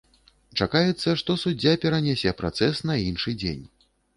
Чакаецца, што суддзя перанясе працэс на іншы дзень.